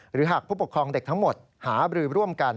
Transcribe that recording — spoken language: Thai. หากผู้ปกครองเด็กทั้งหมดหาบรือร่วมกัน